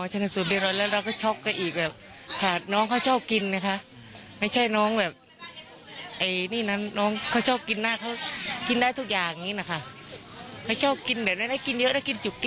เหลือกินจุบกินฮมาก๓๕งาม